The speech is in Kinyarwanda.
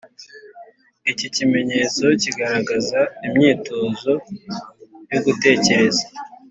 Iki kimenyetso kigaragaza imyitozo yo gutekereza,